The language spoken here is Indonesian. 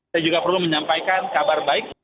saya juga perlu menyampaikan kabar baik